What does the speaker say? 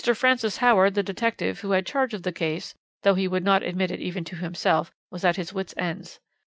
Francis Howard, the detective, who had charge of the case, though he would not admit it even to himself, was at his wits' ends.